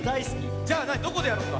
じゃあどこでやろっか？